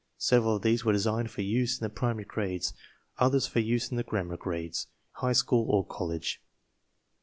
Several of these were designed for use in the primary grades, others for use in the grammar grades, high school, or college.